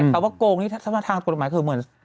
แต่เขาว่าโกงนี่ทางกฎหมายคือเหมือน